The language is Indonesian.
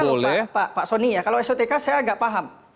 ini konteksnya bukan sotk lho pak sony ya kalau sotk saya agak paham